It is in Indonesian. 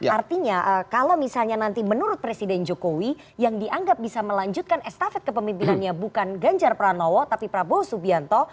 artinya kalau misalnya nanti menurut presiden jokowi yang dianggap bisa melanjutkan estafet kepemimpinannya bukan ganjar pranowo tapi prabowo subianto